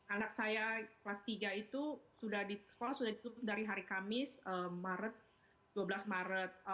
anak saya kelas tiga itu sekolah sudah ditutup dari hari kamis dua belas maret